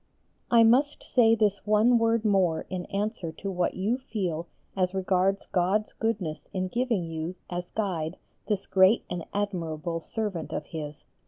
I must say this one word more in answer to what you feel as regards God's goodness in giving you as guide this great and admirable servant of His.